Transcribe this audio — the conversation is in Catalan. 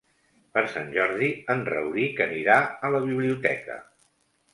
Per Sant Jordi en Rauric anirà a la biblioteca.